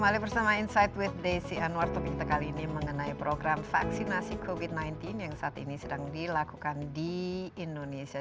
topik kita kali ini mengenai program vaksinasi covid sembilan belas yang saat ini sedang dilakukan di indonesia